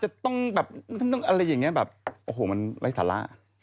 จะต้องแบบอะไรอย่างนี้แบบโอ้โหมันไร้สาระ